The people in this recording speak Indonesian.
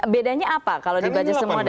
bedanya apa kalau dibaca semua